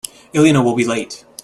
Elena will be late.